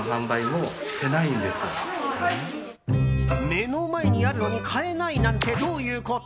目の前にあるのに買えないなんて、どういうこと？